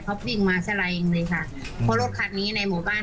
เขาวิ่งมาแสไลด์เลยค่ะเพราะรถคันนี้ในหมู่บ้าน